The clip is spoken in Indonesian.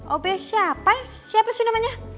obe siapa siapa sih namanya